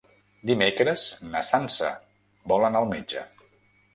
Dimecres na Sança vol anar al metge.